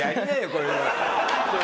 これ。